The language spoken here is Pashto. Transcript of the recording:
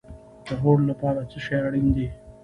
د هوډ لپاره څه شی اړین دی؟